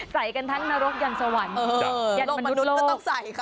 ใส่กันทั้งนรกยันต์สวรรค์ยันต์มนุษย์โลก